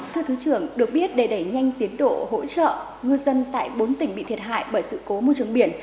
thưa thứ trưởng được biết để đẩy nhanh tiến độ hỗ trợ ngư dân tại bốn tỉnh bị thiệt hại bởi sự cố môi trường biển